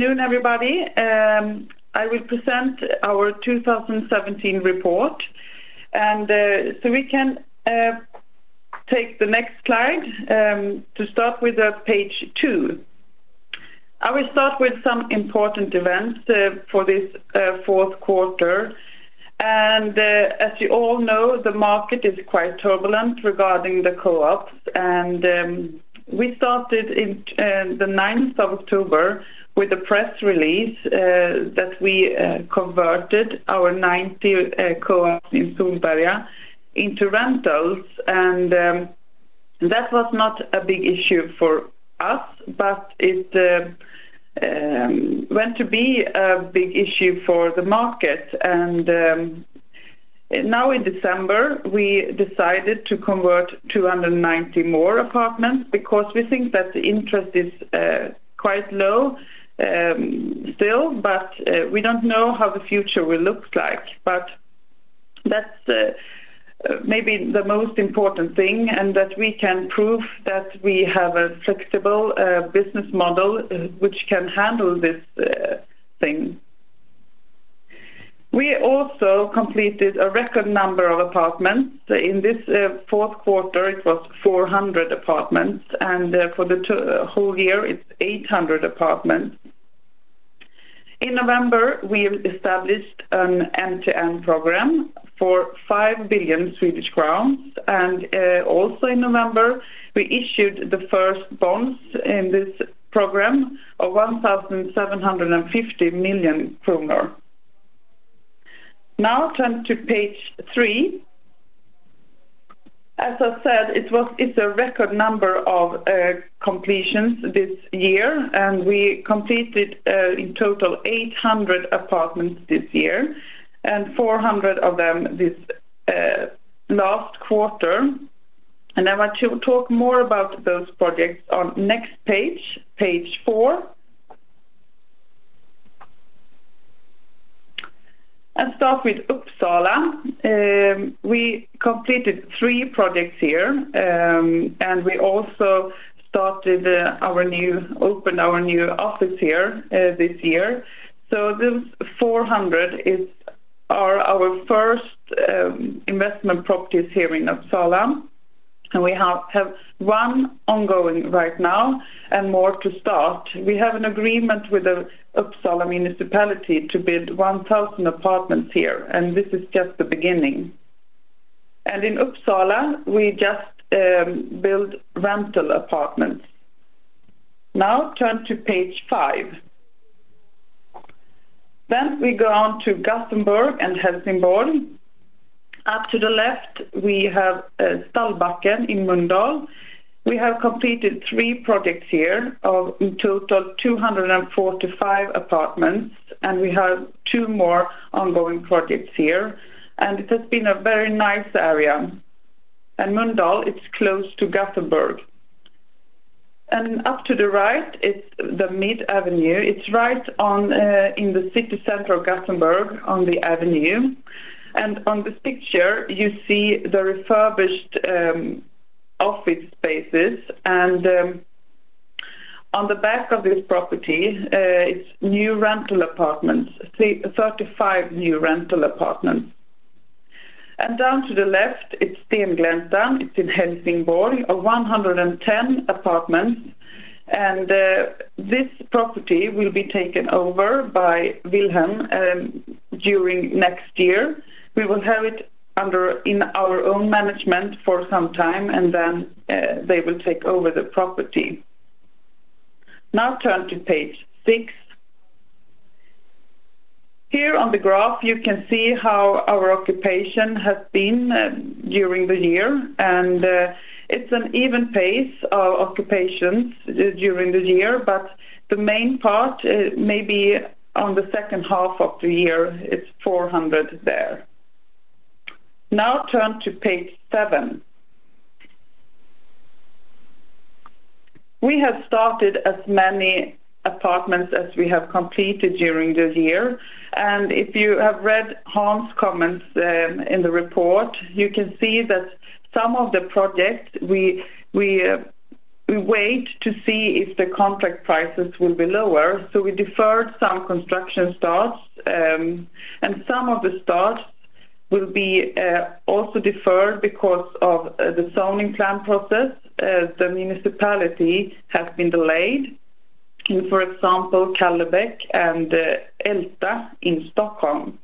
Good noon, everybody. I will present our 2017 report. We can take the next slide to start with page two. I will start with some important events for this fourth quarter. As you all know, the market is quite turbulent regarding the co-ops. We started in the ninth of October with a press release that we converted our ninth year co-ops in Solberga into rentals. That was not a big issue for us, but it went to be a big issue for the market. Now in December, we decided to convert 290 more apartments because we think that the interest is quite low still. We don't know how the future will look like. That's maybe the most important thing, and that we can prove that we have a flexible business model which can handle this thing. We also completed a record number of apartments. In this fourth quarter, it was 400 apartments, and for the whole year, it's 800 apartments. In November, we've established an MTN program for 5 billion Swedish crowns. Also in November, we issued the first bonds in this program of 1,750 million kronor. Now turn to page three. As I said, it's a record number of completions this year, and we completed in total 800 apartments this year, and 400 of them this last quarter. I want to talk more about those projects on next page four. I start with Uppsala. We completed three projects here, we also opened our new office here this year. Those 400 are our first investment properties here in Uppsala. We have one ongoing right now and more to start. We have an agreement with the Uppsala Municipality to build 1,000 apartments here, this is just the beginning. In Uppsala, we just build rental apartments. Turn to page five. We go on to Gothenburg and Helsingborg. Up to the left, we have Stallbacken in Mölndal. We have completed three projects here of, in total, 245 apartments, we have two more ongoing projects here. It has been a very nice area. Mölndal, it's close to Gothenburg. Up to the right, it's the Mid Avenue. It's right on in the city center of Gothenburg on the avenue. On this picture, you see the refurbished office spaces. On the back of this property, it's new rental apartments, 35 new rental apartments. Down to the left, it's Stengläntan. It's in Helsingborg, of 110 apartments. This property will be taken over by Willhem during next year. We will have it under in our own management for some time, then they will take over the property. Now turn to page six. Here on the graph, you can see how our occupation has been during the year. It's an even pace of occupations during the year. But the main part, maybe on the second half of the year, it's 400 there. Now turn to page seven. We have started as many apartments as we have completed during the year. If you have read Hans comments in the report, you can see that some of the projects we wait to see if the contract prices will be lower. We deferred some construction starts. Some of the starts will be also deferred because of the zoning plan process as the municipality has been delayed, for example, Kallebäck and Älta in Stockholm.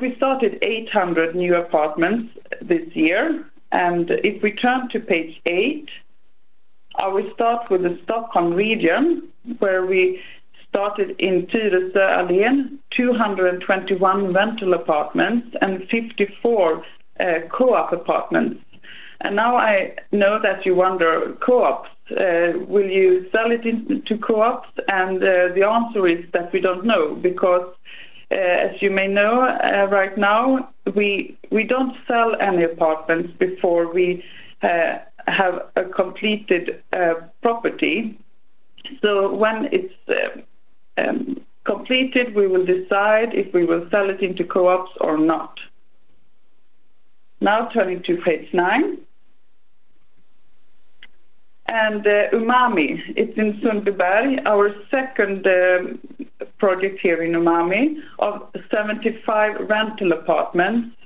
We started 800 new apartments this year. If we turn to page eight, I will start with the Stockholm region, where we started in Tyresö Allén, 221 rental apartments and 54 co-op apartments. Now I know that you wonder, co-ops, will you sell it in to co-ops? The answer is that we don't know, because as you may know, right now, we don't sell any apartments before we have a completed property. When it's completed, we will decide if we will sell it into co-ops or not. Turning to page nine. Umami, it's in Sundbyberg, our second project here in Umami of 75 rental apartments.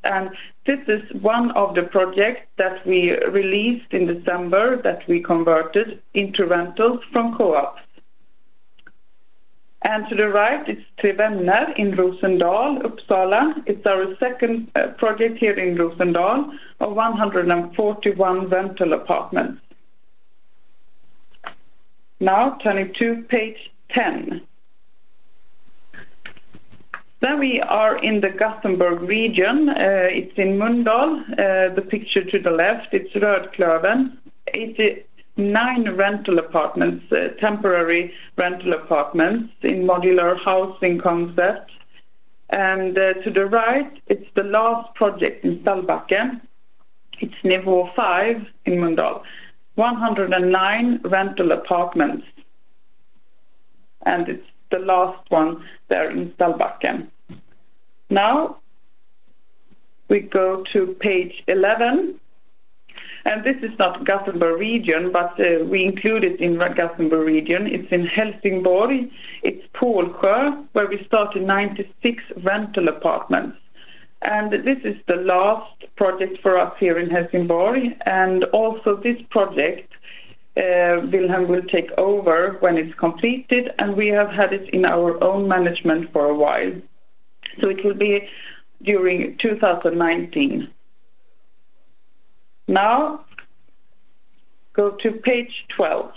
This is one of the projects that we released in December that we converted into rentals from co-ops. To the right is Tre Vänner in Rosendal, Uppsala. It's our second project here in Rosendal of 141 rental apartments. Turning to page 10. We are in the Gothenburg region. It's in Mölndal. The picture to the left, it's Rödklövern. It is nine rental apartments, temporary rental apartments in modular housing concepts. To the right, it's the last project in Stallbacken. It's Nivå fem in Mölndal. 109 rental apartments. It's the last one there in Stallbacken. Now we go to page 11. This is not Gothenburg region, but we include it in Gothenburg region. It's in Helsingborg. It's Pålsjö, where we started 96 rental apartments. This is the last project for us here in Helsingborg. This project, Willhem will take over when it's completed, and we have had it in our own management for a while. It will be during 2019. Now go to page 12.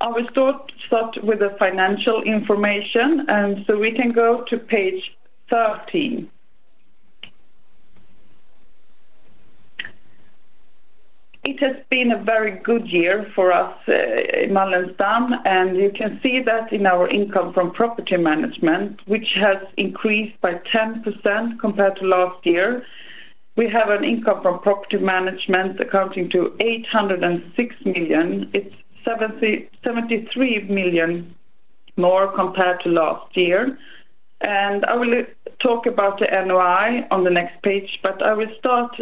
I will start with the financial information, we can go to page 13. It has been a very good year for us in Wallenstam, and you can see that in our income from property management, which has increased by 10% compared to last year. We have an income from property management accounting to 806 million. It's 73 million more compared to last year. I will talk about the NOI on the next page, but I will start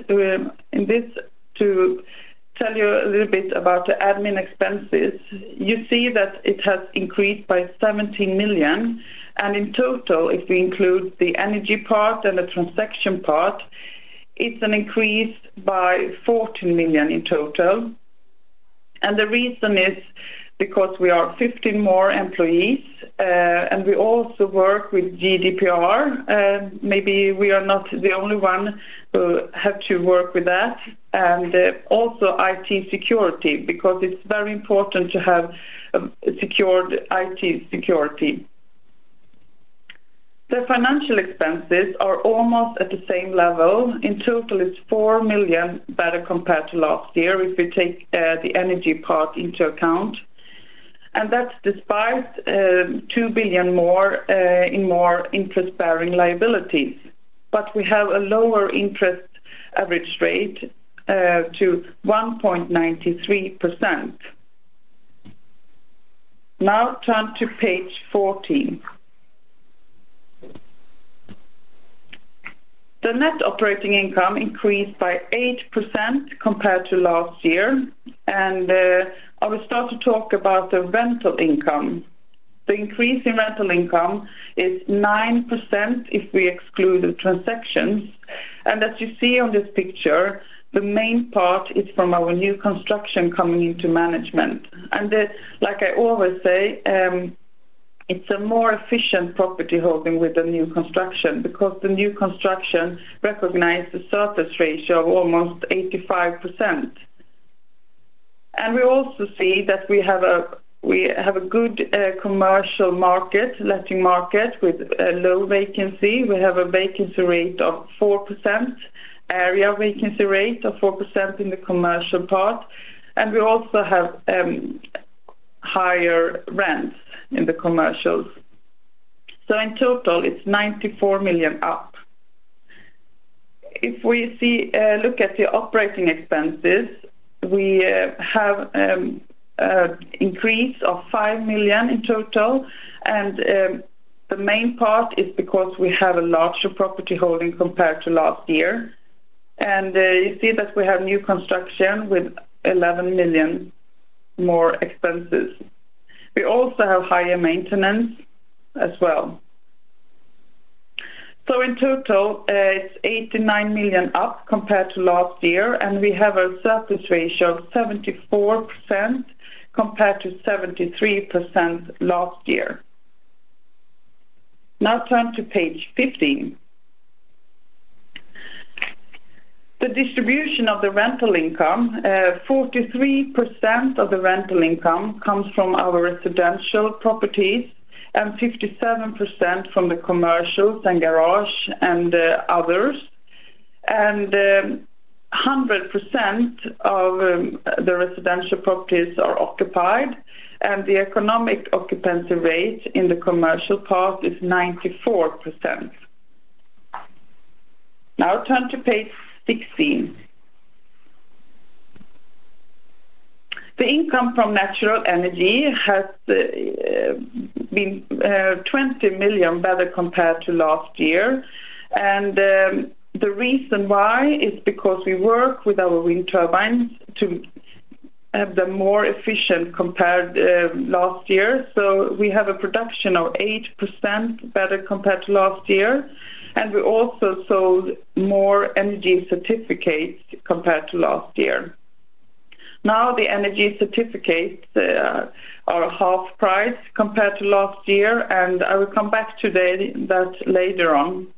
in this to tell you a little bit about the admin expenses. You see that it has increased by 17 million, and in total, if we include the energy part and the transaction part, it's an increase by 14 million in total. The reason is because we are 15 more employees, and we also work with GDPR. Maybe we are not the only one who have to work with that. Also IT security, because it's very important to have secured IT security. The financial expenses are almost at the same level. In total, it's 4 million better compared to last year if we take the energy part into account. That's despite 2 billion more in more interest-bearing liabilities. We have a lower interest average rate to 1.93%. Now turn to page 14. The net operating income increased by 8% compared to last year. I will start to talk about the rental income. The increase in rental income is 9% if we exclude the transactions. As you see on this picture, the main part is from our new construction coming into management. Like I always say, it's a more efficient property holding with the new construction because the new construction recognize the surplus ratio of almost 85%. We also see that we have a good commercial market, letting market with a low vacancy. We have a vacancy rate of 4%, area vacancy rate of 4% in the commercial part. We also have higher rents in the commercials. In total, it's 94 million up. If we see, look at the operating expenses, we have increase of 5 million in total. The main part is because we have a larger property holding compared to last year. You see that we have new construction with 11 million more expenses. We also have higher maintenance as well. In total, it's 89 million up compared to last year, and we have a surplus ratio of 74% compared to 73% last year. Turn to page 15. The distribution of the rental income, 43% of the rental income comes from our residential properties, and 57% from the commercials and garage and others. 100% of the residential properties are occupied, and the economic occupancy rate in the commercial part is 94%. Turn to page 16. The income from natural energy has been 20 million better compared to last year. The reason why is because we work with our wind turbines to have them more efficient compared last year. We have a production of 8% better compared to last year, and we also sold more energy certificates compared to last year. Now the energy certificates are half price compared to last year. I will come back to that later on.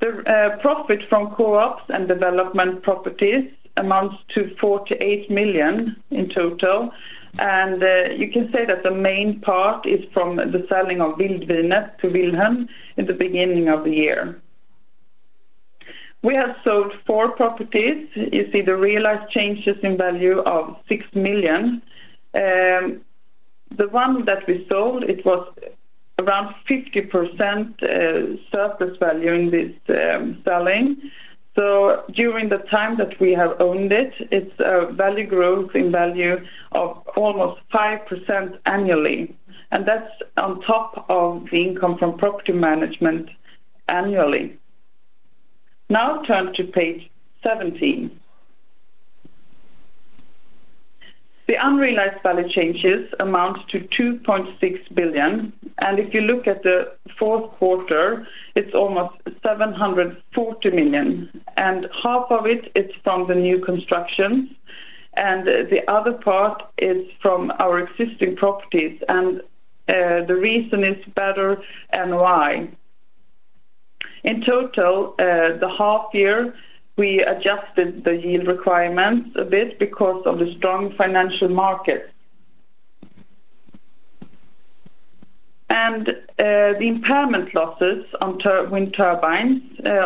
The profit from co-ops and development properties amounts to 48 million in total. You can say that the main part is from the selling of Vildvinet to Willhem in the beginning of the year. We have sold four properties. You see the realized changes in value of 6 million. The one that we sold, it was around 50% surplus value in this selling. During the time that we have owned it's value growth in value of almost 5% annually. That's on top of the income from property management annually. Now turn to page 17. The unrealized value changes amounts to 2.6 billion. If you look at the fourth quarter, it's almost 740 million. Half of it is from the new constructions, and the other part is from our existing properties. The reason is better and why. In total, the half year, we adjusted the yield requirements a bit because of the strong financial markets. The impairment losses on wind turbines,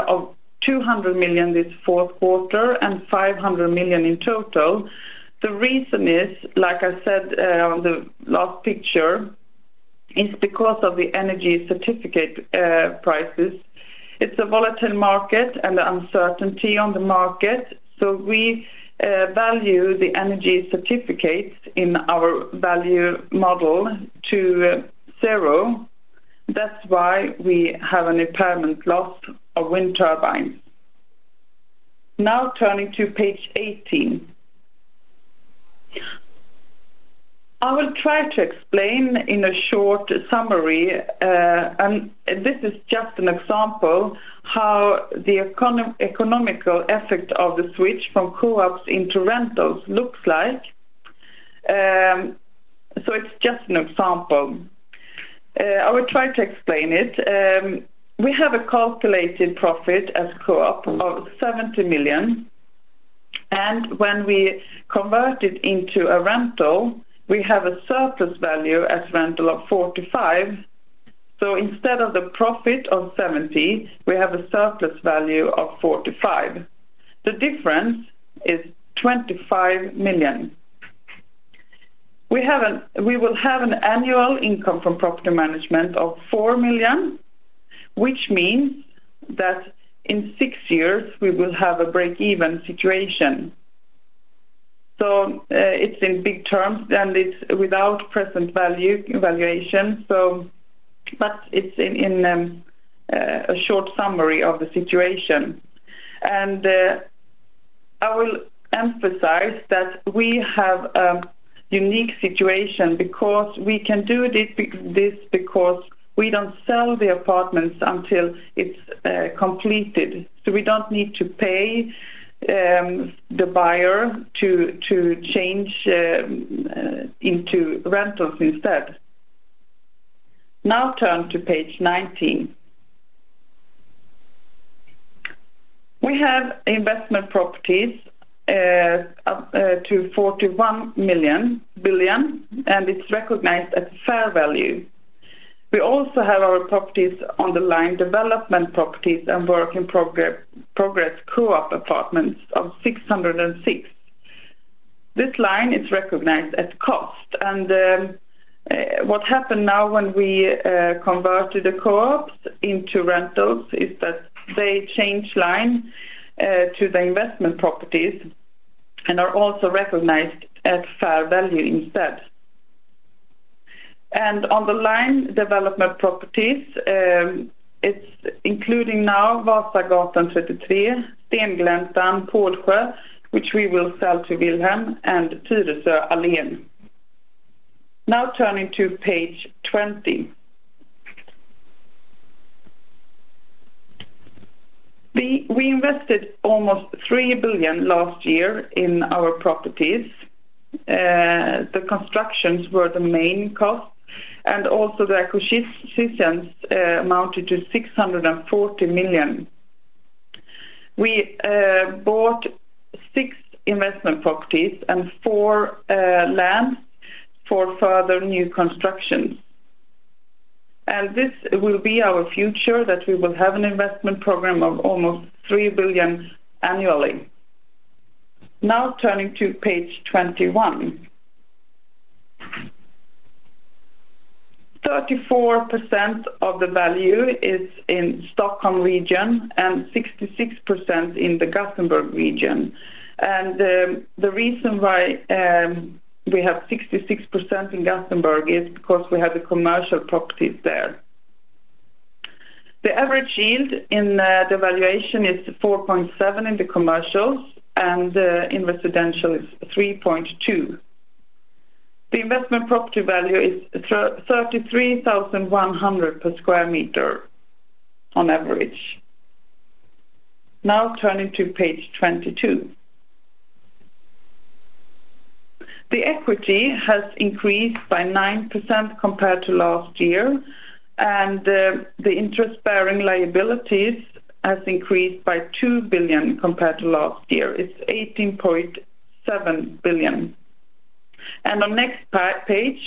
of 200 million this fourth quarter and 500 million in total. The reason is, like I said, on the last picture, is because of the energy certificate prices. It's a volatile market and uncertainty on the market. We value the energy certificates in our value model to zero. That's why we have an impairment loss of wind turbines. Now turning to page 18. I will try to explain in a short summary, this is just an example how the economical effect of the switch from co-ops into rentals looks like. It's just an example. I will try to explain it. We have a calculated profit as co-op of 70 million. When we convert it into a rental, we have a surplus value as rental of 45 million. Instead of the profit of 70 million, we have a surplus value of 45 million. The difference is 25 million. We will have an annual income from property management of 4 million, which means that in six years we will have a break-even situation. It's in big terms, and it's without present value valuation. It's in a short summary of the situation. I will emphasize that we have a unique situation because we can do this because we don't sell the apartments until it's completed. We don't need to pay the buyer to change into rentals instead. Now turn to page 19. We have investment properties up to 41 billion, and it's recognized at fair value. We also have our properties on the line development properties and work in progress co-op apartments of 606. This line is recognized at cost. What happened now when we converted the co-ops into rentals is that they change line to the investment properties and are also recognized at fair value instead. On the line development properties, it's including now Vasagatan 33, Stengläntan, Pålsjö, which we will sell to Willhem, and Tyresö Allé. Now turning to page 20. We invested almost 3 billion last year in our properties. The constructions were the main cost, and also the acquisitions amounted to 640 million. We bought six investment properties and four lands for further new constructions. This will be our future, that we will have an investment program of almost 3 billion annually. Now turning to page 21. 34% of the value is in Stockholm region and 66% in the Gothenburg region. The reason why we have 66% in Gothenburg is because we have the commercial properties there. The average yield in the valuation is 4.7 in the commercials and in residential it's 3.2. The investment property value is 33,100 per square meter on average. Now turning to page 22. The equity has increased by 9% compared to last year, the interest-bearing liabilities has increased by 2 billion compared to last year. It's 18.7 billion. On next page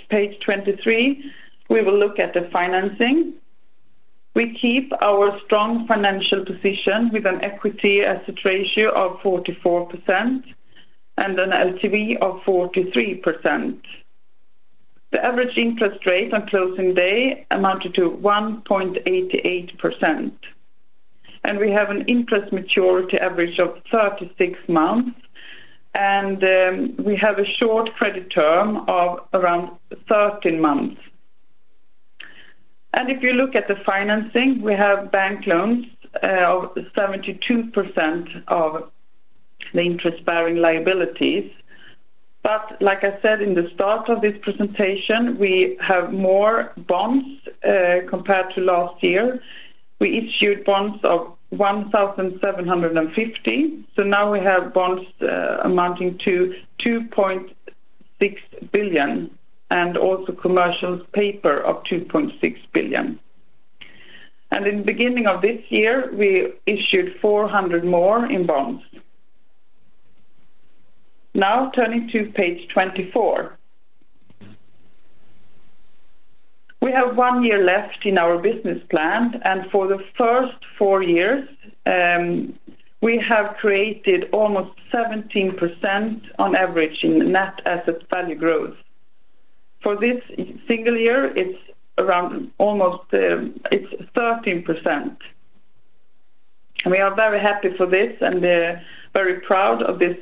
23, we will look at the financing. We keep our strong financial position with an equity to asset ratio of 44% and an LTV of 43%. The average interest rate on closing day amounted to 1.88%. We have an interest maturity average of 36 months, and we have a short credit term of around 13 months. If you look at the financing, we have bank loans of 72% of the interest-bearing liabilities. Like I said in the start of this presentation, we have more bonds compared to last year. We issued bonds of 1,750 million. Now we have bonds amounting to 2.6 billion and also commercial paper of 2.6 billion. In the beginning of this year, we issued 400 more in bonds. Turning to page 24. We have one year left in our business plan, and for the first four years, we have created almost 17% on average in net asset value growth. For this single year, it's around almost, it's 13%. We are very happy for this and very proud of this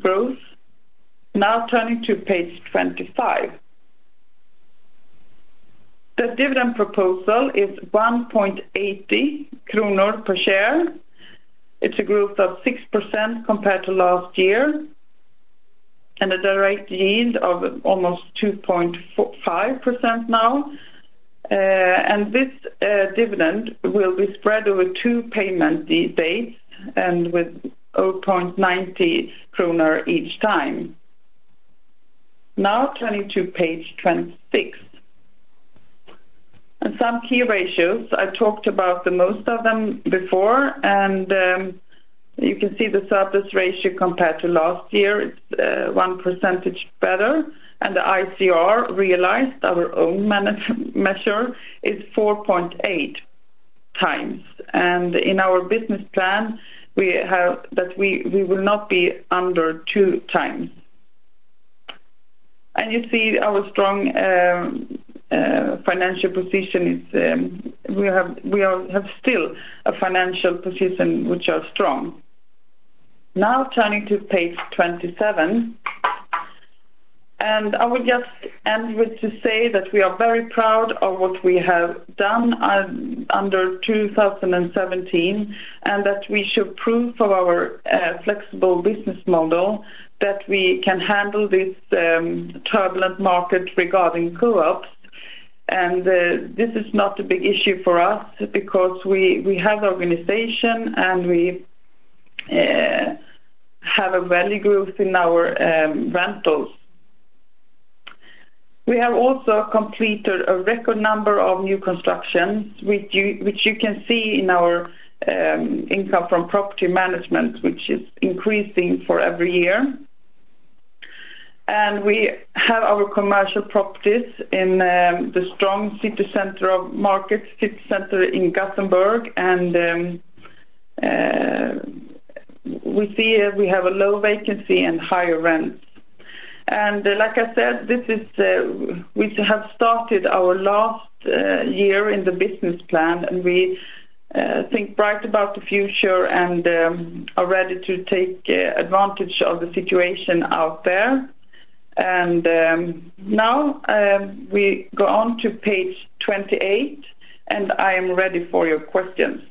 growth. Turning to page 25. The dividend proposal is 1.80 kronor per share. It's a growth of 6% compared to last year, and a direct yield of almost 2.5% now. This dividend will be spread over two payment dates and with 0.90 kronor each time. Turning to page 26. Some key ratios. I talked about the most of them before. You can see the surplus ratio compared to last year, it's 1% better. The ICR realized our own is 4.8x. In our business plan, we have that we will not be under 2x. You see our strong financial position is, we have still a financial position which are strong. Turning to page 27. I would just end with to say that we are very proud of what we have done under 2017, and that we should prove for our flexible business model that we can handle this turbulent market regarding co-ops. This is not a big issue for us because we have organization, and we have a value growth in our rentals. We have also completed a record number of new constructions which you can see in our income from property management, which is increasing for every year. We have our commercial properties in the strong city center of markets, city center in Gothenburg. We see we have a low vacancy and higher rents. Like I said, this is, we have started our last year in the business plan, and we think bright about the future and are ready to take advantage of the situation out there. Now, we go on to page 28, and I am ready for your questions.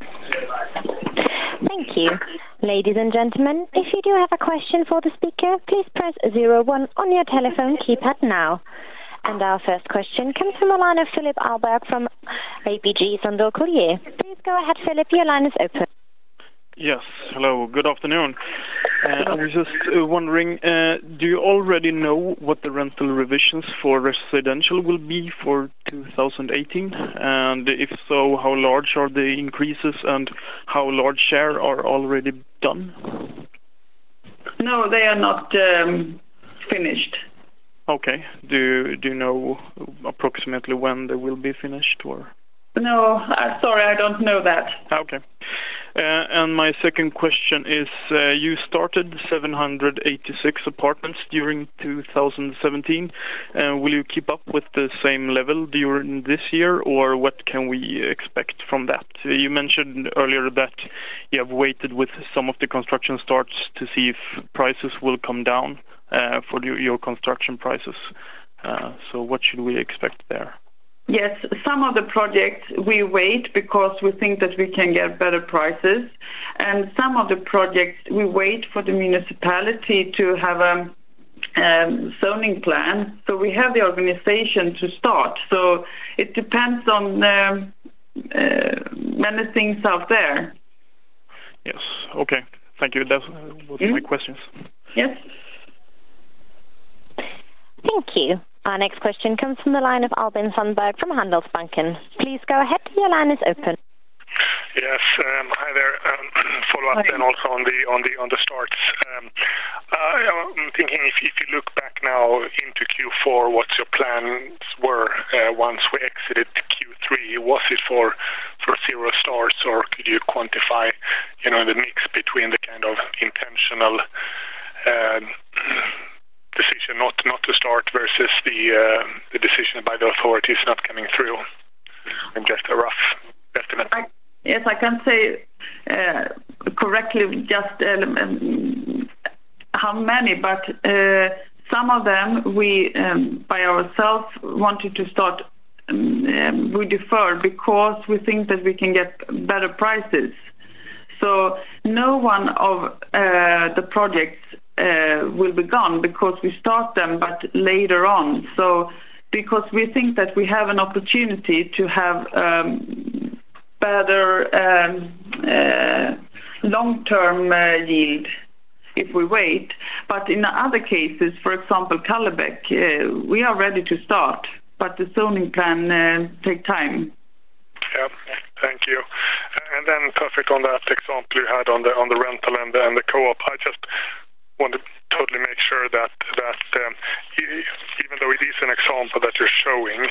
Thank you. Ladies and gentlemen, if you do have a question for the speaker, please press 01 on your telephone keypad now. Our first question comes from the line of Tobias Kaj from ABG Sundal Collier. Please go ahead, Tobias. Your line is open. Yes. Hello. Good afternoon. Hello. I was just wondering, do you already know what the rental revisions for residential will be for 2018? If so, how large are the increases, and how large share are already done? No, they are not finished. Okay. Do you know approximately when they will be finished or? No, I'm sorry. I don't know that. Okay. My second question is, you started 786 apartments during 2017. Will you keep up with the same level during this year or what can we expect from that? You mentioned earlier that you have waited with some of the construction starts to see if prices will come down for your construction prices. What should we expect there? Yes. Some of the projects we wait because we think that we can get better prices, and some of the projects we wait for the municipality to have a zoning plan. We have the organization to start. It depends on the many things out there. Yes. Okay. Thank you. That was my questions. Yes. Thank you. Our next question comes from the line of Albin Sandberg from Handelsbanken. Please go ahead. Your line is open. Yes. Hi there. Follow up also on the starts. I'm thinking if you look back now into Q4, what your plans were once we exited Q3, was it for 0 starts, or could you quantify, you know, the mix between the kind of intentional decision not to start versus the decision by the authorities not coming through? Just a rough estimate. Yes, I can say, correctly just how many, but some of them we, by ourselves wanted to start, we deferred because we think that we can get better prices. No one of the projects will be gone because we start them, but later on. Because we think that we have an opportunity to have better long-term yield if we wait. In other cases, for example, Kallebäck, we are ready to start, but the zoning can take time. Yeah. Thank you. Perfect on that example you had on the rental and the co-op. I just want to totally make sure that even though it is an example that you're showing,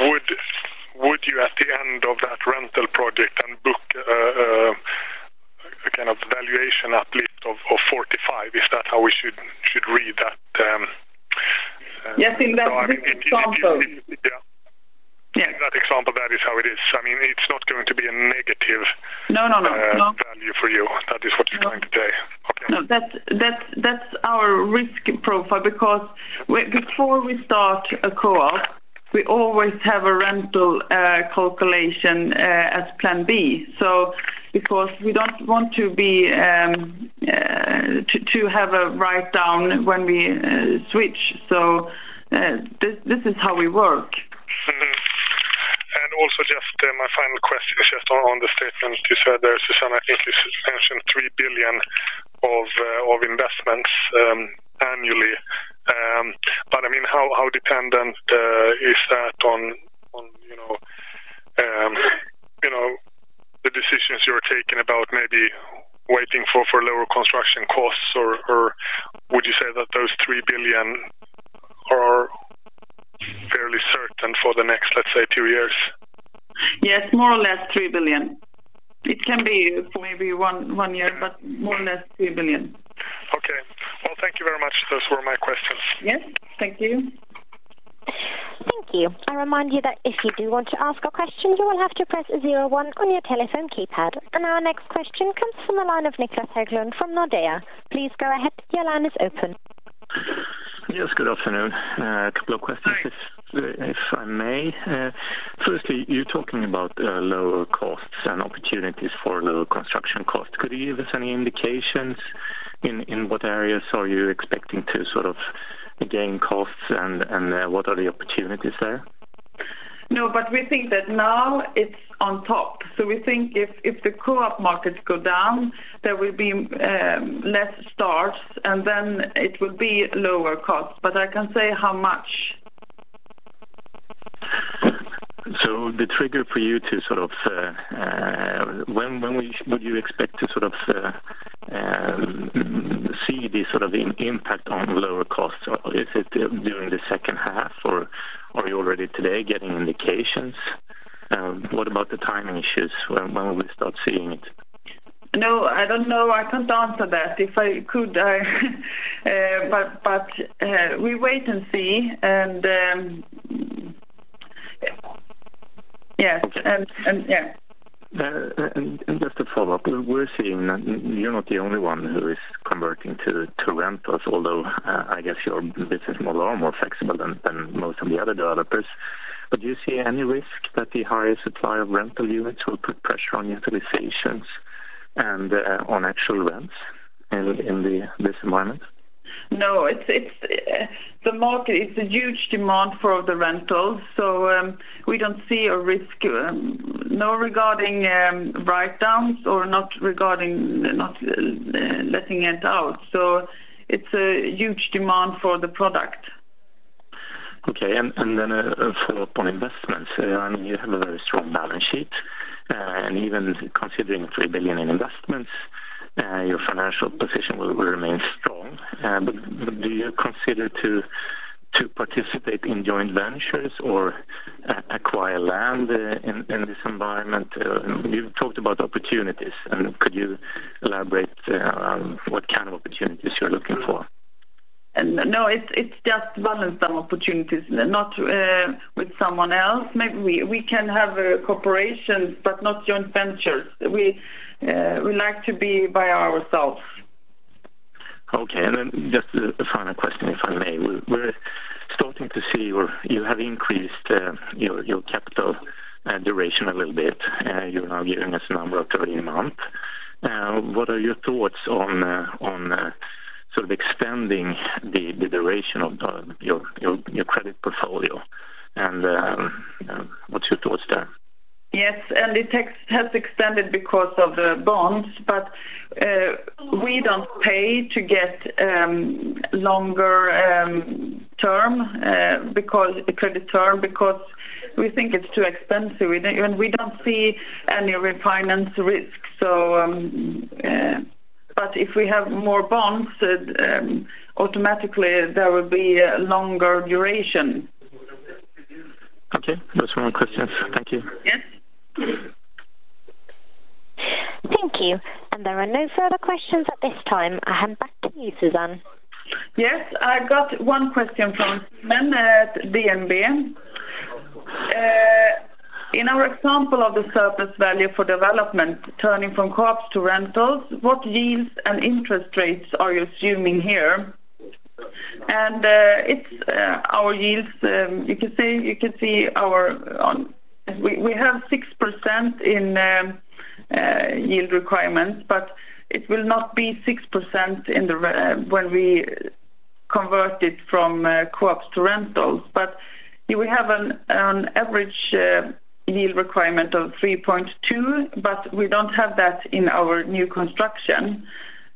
would you at the end of that rental project and book a kind of valuation uplift of 45? Is that how we should read that? Yes, in that example. Yeah. Yes. In that example, that is how it is. I mean, it's not going to be a negative- No, no. value for you. That is what you're trying to say. No. That's our risk profile because before we start a co-op, we always have a rental calculation as plan B. Because we don't want to be to have a write down when we switch. This is how we work. Also just, my final question is just on the statement you said there, Susann, I think you mentioned 3 billion of investments, annually. I mean, how dependent, is that on, you know, you know, the decisions you are taking about maybe waiting for lower construction costs? Would you say that those 3 billion are fairly certain for the next, let's say, two years? Yes, more or less 3 billion. It can be for maybe one year, but more or less 3 billion. Okay. Well, thank you very much. Those were my questions. Yes. Thank you. Thank you. I remind you that if you do want to ask a question, you will have to press zero one on your telephone keypad. Our next question comes from the line of Niclas Höglund from Nordea. Please go ahead. Your line is open. Yes, good afternoon. A couple of questions. Hi. If I may. Firstly, you're talking about lower costs and opportunities for lower construction costs. Could you give us any indications in what areas are you expecting to sort of gain costs and what are the opportunities there? We think that now it's on top. We think if the co-op markets go down, there will be less starts, and then it will be lower costs. I can't say how much. The trigger for you to sort of, when would you expect to sort of, see the impact on lower costs? Or is it during the second half, or are you already today getting indications? What about the timing issues? When will we start seeing it? No, I don't know. I can't answer that. If I could, I. We wait and see. Yes. Okay. Yeah. And just to follow up, we're seeing that you're not the only one who is converting to rentals, although I guess your business model are more flexible than most of the other developers. Do you see any risk that the higher supply of rental units will put pressure on utilizations and on actual rents in this environment? It's, the market is a huge demand for the rentals. We don't see a risk, no regarding write-downs or not regarding not letting it out. It's a huge demand for the product. Okay. Then a follow-up on investments. I mean, you have a very strong balance sheet, even considering 3 billion in investments, your financial position will remain. Do you consider to participate in joint ventures or acquire land in this environment? You've talked about opportunities, could you elaborate on what kind of opportunities you're looking for? No, it's just balance some opportunities, not with someone else. Maybe we can have a cooperation, but not joint ventures. We like to be by ourselves. Okay. Just a final question, if I may. We're starting to see where you have increased your capital duration a little bit. You're now giving us a number of 13 month. What are your thoughts on sort of extending the duration of your credit portfolio? What's your thoughts there? Yes. It has extended because of bonds, but we don't pay to get a longer term, a credit term because we think it's too expensive. We don't see any refinance risk. If we have more bonds, automatically there will be a longer duration. Okay. Those were my questions. Thank you. Yes. Thank you. There are no further questions at this time. I hand back to you, Susann. Yes, I got one question from Simon at DNB. In our example of the surplus value for development turning from co-ops to rentals, what yields and interest rates are you assuming here? It's our yields. We have 6% in yield requirements, but it will not be 6% in the when we convert it from co-ops to rentals. We have an average yield requirement of 3.2%, but we don't have that in our new construction.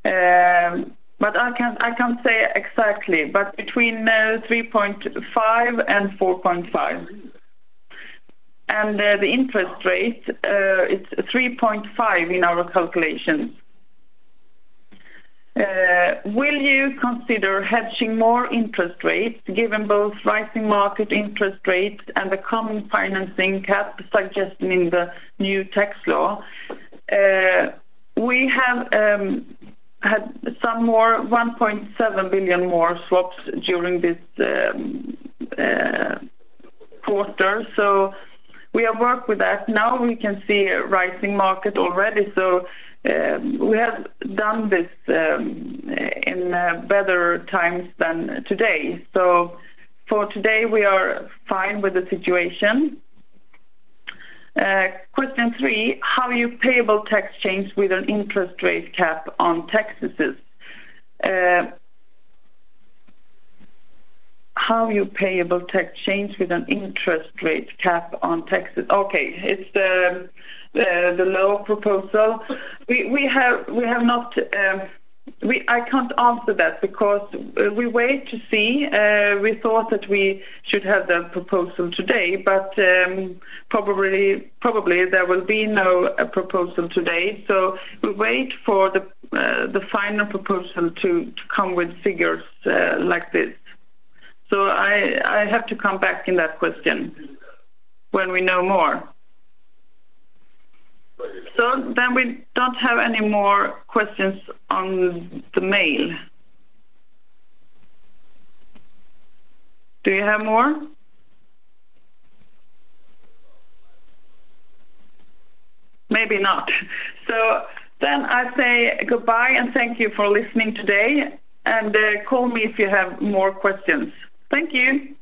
I can't say exactly, but between 3.5% and 4.5%. The interest rate, it's 3.5% in our calculations. Will you consider hedging more interest rates given both rising market interest rates and the common financing cap suggested in the new tax law? We have had some 1.7 billion more swaps during this quarter, we have worked with that. Now we can see a rising market already, we have done this in better times than today. For today, we are fine with the situation. Question three: How you payable tax change with an interest rate cap on taxes? How you payable tax change with an interest rate cap on taxes? It's the low proposal. We have not, I can't answer that because we wait to see. We thought that we should have the proposal today, but probably there will be no proposal today. We wait for the final proposal to come with figures like this. I have to come back in that question when we know more. We don't have any more questions on the mail. Do you have more? Maybe not. I say goodbye and thank you for listening today, and call me if you have more questions. Thank you.